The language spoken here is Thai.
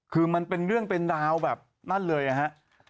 คือมันเป็นเรื่องเป็นราวแบบนั่นเลยอะฮะ